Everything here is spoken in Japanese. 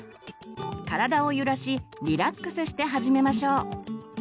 体を揺らしリラックスして始めましょう。